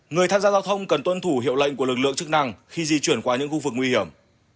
người tham gia giao thông cần tuân thủ hiệu lệnh của lực lượng chức năng khi di chuyển qua những khu vực nguy hiểm